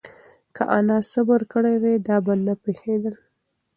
که انا صبر کړی وای، دا به نه پېښېدل.